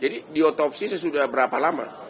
jadi diotopsi sudah berapa lama